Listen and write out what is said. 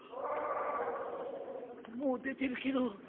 あっもう出てるけど。